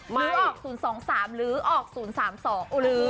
ไม่ออก๐๒๓หรือออก๐๓๒หรือ